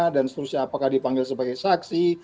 seterusnya apakah dipanggil sebagai saksi